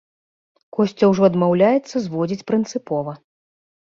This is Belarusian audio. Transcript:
Косця ўжо адмаўляецца зводзіць прынцыпова.